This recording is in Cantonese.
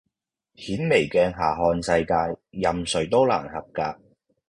顯微鏡下看世界，任誰都難合格